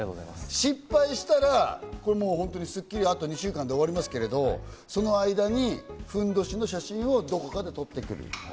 失敗したら、『スッキリ』あと２週間で終わりますけど、その間に、ふんどしの写真をどこかで撮ってくる。